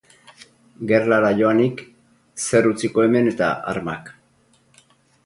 Gerlara joanik, zer utziko hemen eta armak.